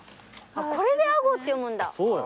これで「あご」って読むんだ。